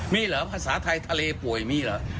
มีเหรอภาษาไทยทะเลป่วยมีเหรอ